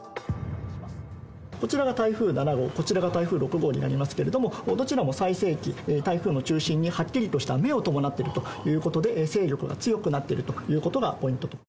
こちらが台風７号、こちらが台風６号になりますけれども、どちらも最盛期、台風の中心にはっきりとした目を伴っているということで、勢力が強くなっているということがポイントと。